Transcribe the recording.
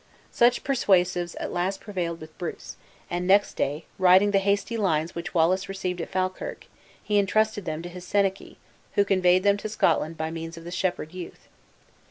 Such persuasives at last prevailed with Bruce, and next day, writing the hasty lines which Wallace received at Falkirk, he intrusted them to his senachie, who conveyed them to Scotland by means of the shepherd youth.